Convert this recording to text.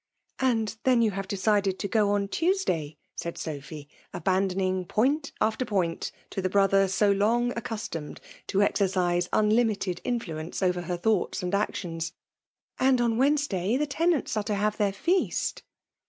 ^'And then yon have decided to go on Tlll^sday,'*^ CMtid Sophy, abandoning p<Hnt after point to iSie bfother so long accustomed io exercise unlimited influence over her thoughts and action^, —" and on Wednesday the tenants are to have dieir feast.